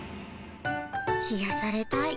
癒やされたい。